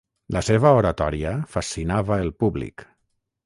La seva oratòria fascinava el públic.